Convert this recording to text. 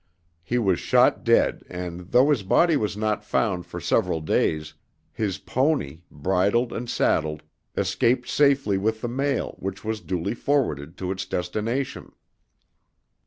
He was shot dead and though his body was not found for several days, his pony, bridled and saddled, escaped safely with the mail which was duly forwarded to its destination.